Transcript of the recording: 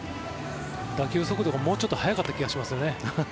打球速度がもうちょっと速かったと思いますね。